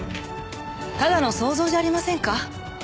ただの想像じゃありませんか？